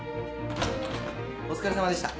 お疲れさまでした。